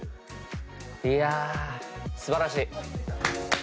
いや素晴らしい！